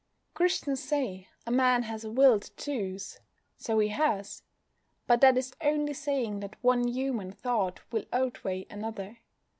Christians say a man has a will to choose. So he has. But that is only saying that one human thought will outweigh another.